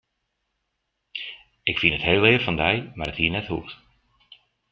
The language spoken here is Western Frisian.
Ik fyn it hiel leaf fan dy, mar it hie net hoegd.